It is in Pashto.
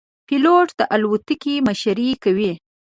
پیلوټ د الوتکې مشري کوي.